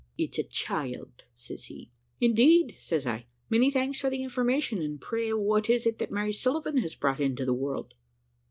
"`It's a child,' says he. "`Indeed!' says I; `many thanks for the information, and pray what is it that Mary Sullivan has brought into the world?'